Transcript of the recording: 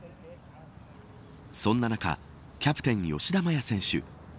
そんな中キャプテン吉田麻也選手